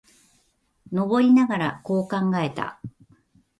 登りながら、こう考えた。